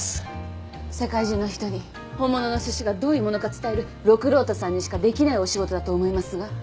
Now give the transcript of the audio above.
世界中の人に本物のすしがどういうものか伝える六郎太さんにしかできないお仕事だと思いますが。